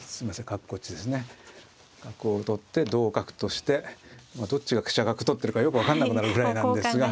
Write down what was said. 角を取って同角としてどっちが飛車角取ってるかよく分かんなくなるぐらいなんですが。